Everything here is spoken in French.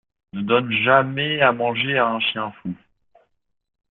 Ne donne jamais à manger à un chien fou.